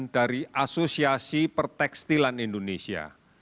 dari asosiasi pertekstilan indonesia